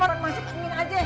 alah dia sakit juga